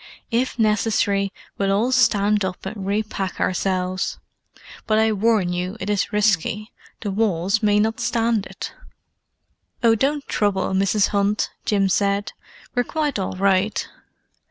If necessary we'll all stand up and re pack ourselves, but I warn you it is risky: the walls may not stand it!" "Oh, don't trouble, Mrs. Hunt," Jim said. "We're quite all right."